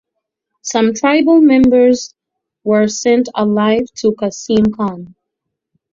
Some tribal members were sent alive to Qasim Khan.